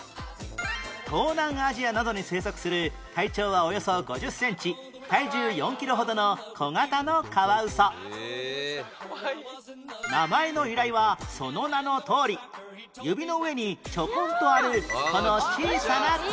東南アジアなどに生息する体長はおよそ５０センチ体重４キロほどの小型のカワウソ名前の由来はその名のとおり指の上にちょこんとあるこの小さな爪